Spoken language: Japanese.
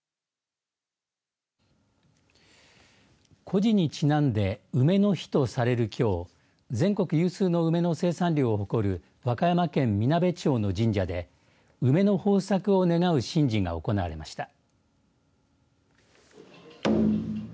故事にちなんで梅の日とされるきょう全国有数の梅の生産量を誇る和歌山県みなべ町の神社で梅の豊作を願う神事が行われました。